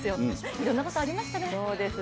いろんなことがありましたね。